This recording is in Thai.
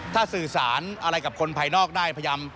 ถ้าสื่อสารอะไรกับคนภายนอกได้พยายาม